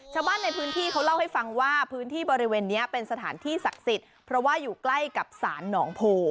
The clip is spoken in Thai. ชาวบ้านในพื้นที่เขาเล่าให้ฟังว่าพื้นที่บริเวณนี้เป็นสถานที่ศักดิ์สิทธิ์เพราะว่าอยู่ใกล้กับศาลหนองโพ